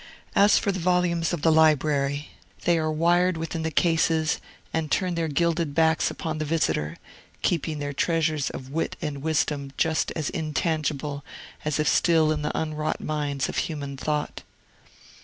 As for the volumes of the library, they are wired within the cases and turn their gilded backs upon the visitor, keeping their treasures of wit and wisdom just as intangible as if still in the unwrought mines of human thought.